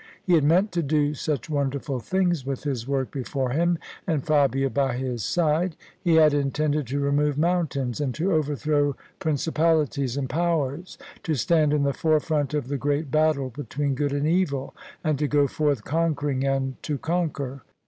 He had meant to do such wonderful things with his work before him and Fabia by his side: he had intended to remove mountains and to overthrow princi palities and powers — to stand in the forefront of the great battle between good and evil, and to go forth conquering and to conquer.